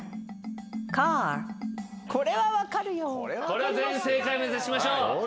これは全員正解を目指しましょう。